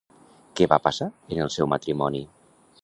Què va passar en el seu matrimoni?